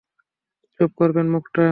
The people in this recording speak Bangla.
চুপ করবেন মুখটা?